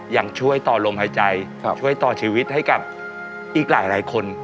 ยังช่วยต่อลมหายใจช่วยต่อชีวิตให้กับอีกหลายคน